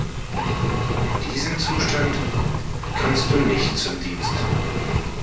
In diesem Zustand kannst du nicht zum Dienst.